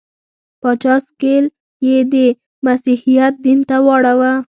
پاچا سکل یې د مسیحیت دین ته واړاوه.